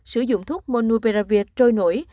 sử dụng thuốc monopiravir trôi nổi